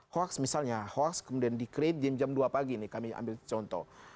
hoax misalnya hoax kemudian di create jam dua pagi nih kami ambil contoh